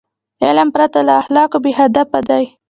علم پرته له اخلاقو بېهدفه دی.